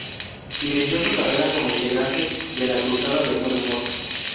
Inició su carrera como integrante de La Cruzada del Buen Humor.